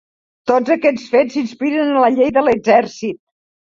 Tots aquests fets s'inspiren en la Llei de l'Exèrcit.